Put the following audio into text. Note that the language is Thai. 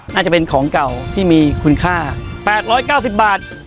น่าจะเป็นของเก่าที่มีคุณค่า๘๙๐บาท